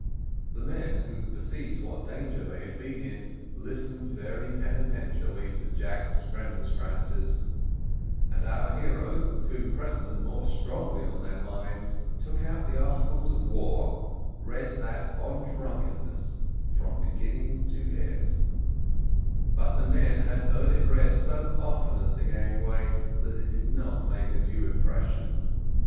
The men, who perceived what danger they had been in, listened very penitently to Jack's remonstrances; and our hero, to impress them more strongly on their minds, took out the articles of war, and read that on drunkenness from beginning to end; but the men had heard it read so often at the gangway, that it did not make a due impression.